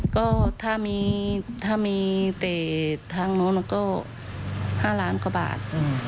ก็ถ้ามีถ้ามีเตะทางนู้นก็๕ล้านกว่าบาท